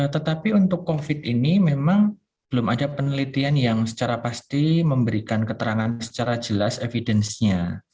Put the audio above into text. tetapi untuk covid ini memang belum ada penelitian yang secara pasti memberikan keterangan secara jelas evidence nya